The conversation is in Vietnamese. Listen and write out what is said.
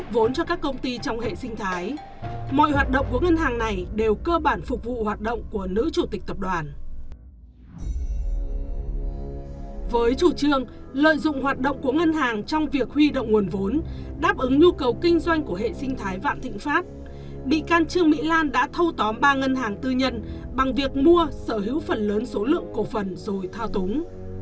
với chủ trương lợi dụng hoạt động của ngân hàng trong việc huy động nguồn vốn đáp ứng nhu cầu kinh doanh của hệ sinh thái vạn thịnh pháp bị can trường mỹ lan đã thâu tóm ba ngân hàng tư nhân bằng việc mua sở hữu phần lớn số lượng cổ phần rồi thao túng